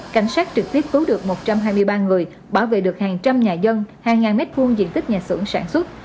cảnh sát trực tiếp cứu được một trăm hai mươi ba người bảo vệ được hàng trăm nhà dân hàng ngàn mét vuông diện tích nhà xưởng sản xuất